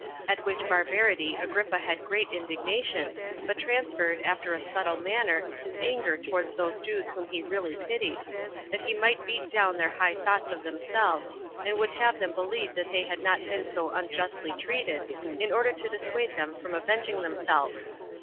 At which barbarity Agrippa had great indignation, but transferred, after a subtle manner, his anger towards those Jews whom he really pitied, that he might beat down their high thoughts of themselves, and would have them believe that they had not been so unjustly treated, in order to dissuade them from avenging themselves.